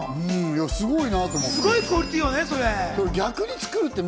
すごいなと思って。